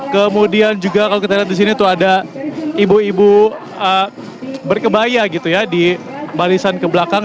kemudian juga kalau kita lihat di sini tuh ada ibu ibu berkebaya gitu ya di barisan ke belakang